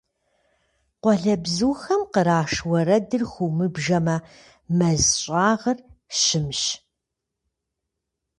Къуалэбзухэм къраш уэрэдыр хыумыбжэмэ, мэз щӀагъыр щымщ.